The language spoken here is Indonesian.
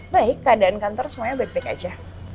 baik keadaan kantor semuanya baik baik aja